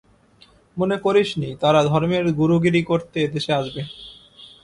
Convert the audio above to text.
মনে করিসনি, তারা ধর্মের গুরুগিরি করতে এদেশে আসবে।